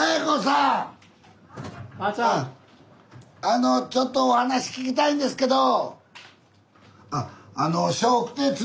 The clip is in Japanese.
あのちょっとお話聞きたいんですけど。